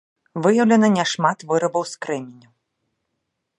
Выяўлена няшмат вырабаў з крэменю.